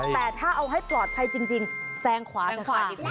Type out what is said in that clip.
แล้วให้ปลอดภัยจริงแซงขวาของข้าง